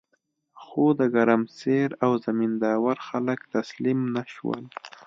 خو د ګرمسیر او زمین داور خلک تسلیم نشول.